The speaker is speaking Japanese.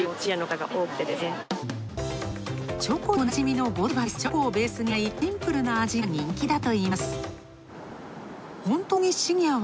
チョコでおなじみのゴディバですが、チョコをベースにしないシンプルな味が人気だといいます。